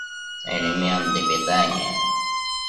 Элементы питания